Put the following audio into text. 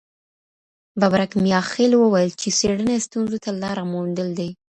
ببرک میاخیل وویل چي څېړنه ستونزو ته لاره موندل دي.